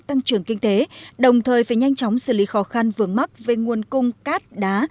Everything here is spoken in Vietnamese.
tăng trưởng kinh tế đồng thời phải nhanh chóng xử lý khó khăn vướng mắc về nguồn cung cát đá